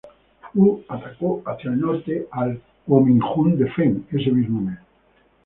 Wu atacó hacia el norte al Guominjun de Feng ese mismo mes.